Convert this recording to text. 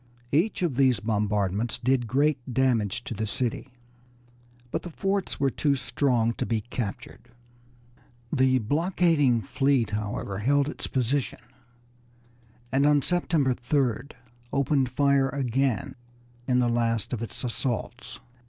Each of these bombardments did great damage to the city, but the forts were too strong to be captured. The blockading fleet, however, held its position, and on September 3d opened fire again in the last of its assaults.